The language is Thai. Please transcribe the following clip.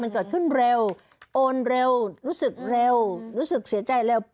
มันเกิดขึ้นเร็วโอนเร็วรู้สึกเร็วรู้สึกเสียใจเร็ว